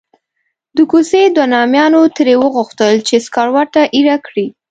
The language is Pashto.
د کوڅې دوو نامیانو ترې وغوښتل چې سکروټه ایره کړي.